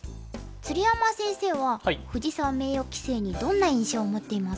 鶴山先生は藤沢名誉棋聖にどんな印象を持っていますか？